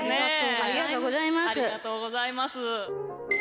ありがとうございます。